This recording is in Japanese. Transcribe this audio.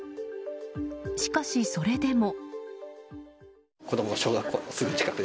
しかし、それでも。